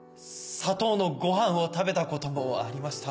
「砂糖のご飯」を食べたこともありました。